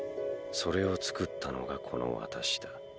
それを作ったのがこの私だ。